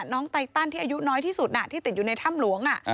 ไตตันที่อายุน้อยที่สุดที่ติดอยู่ในถ้ำหลวง